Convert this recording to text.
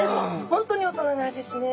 本当に大人な味ですね